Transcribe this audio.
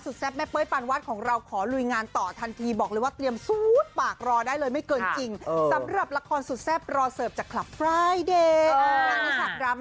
คือคลายกังวลเรื่องอาการป่วยของลูกสาวสุดที่รักน้องปารินไปใช่ไหม